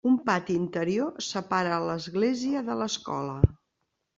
Un pati interior separa l'església de l'escola.